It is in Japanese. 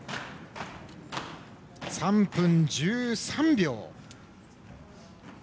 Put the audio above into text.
３分１３秒。